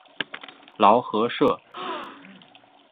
劳合社。